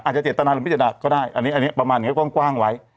อาจจะเจ็ดตนาหรือไม่เจ็ดตนาก็ได้อันนี้ประมาณไงกว้างไว้